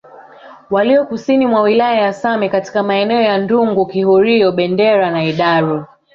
walio kusini mwa wilaya ya Same katika maeneo ya Ndungu Kihurio Bendera na Hedaru